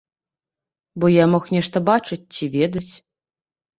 Бо я мог нешта бачыць ці ведаць.